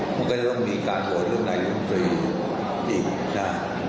มันก็จะต้องมีการโหวตเรื่องนายมตรีอีกนะฮะ